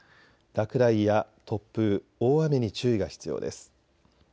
落雷や突風、大雨に注意が必要です。